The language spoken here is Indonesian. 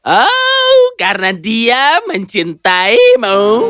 oh karena dia mencintaimu